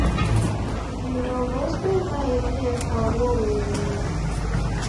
V'indo w'ose w'aelie kwa uo uelie